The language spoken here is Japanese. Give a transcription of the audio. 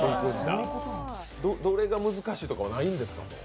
どれが難しいとかはないんですか？